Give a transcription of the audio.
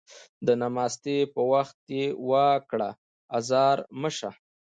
د نماستي په وخت يې وا کړه ازار مه شه